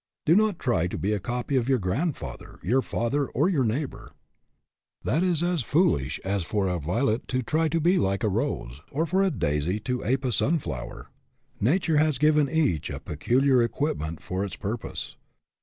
Do not try to be a copy of your grandfather, your father, or your neighbor. That is as foolish as for a violet to try to be like a rose, or for a daisy to ape a sunflower. Nature has given each a peculiar equipment for its purpose.